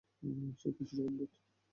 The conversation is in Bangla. সে কিছুটা অদ্ভুত।